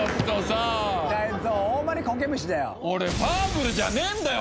俺ファーブルじゃねえんだよ！